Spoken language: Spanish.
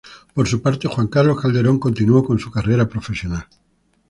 Por su parte, Juan Carlos Calderón continuó con su carrera profesional.